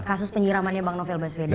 kasus penyiramannya bang novel baswedan